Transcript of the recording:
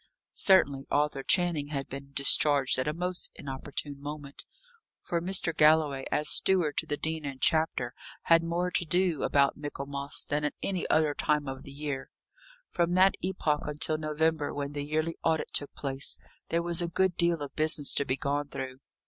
Certainly, Arthur Channing had been discharged at a most inopportune moment, for Mr. Galloway, as steward to the Dean and Chapter, had more to do about Michaelmas, than at any other time of the year. From that epoch until November, when the yearly audit took place, there was a good deal of business to be gone through.